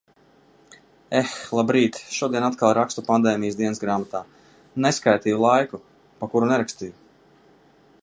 Eh, labrīt, šodien atkal rakstu pandēmijas dienasgrāmatā. Neskaitīju laiku, pa kuru nerakstīju.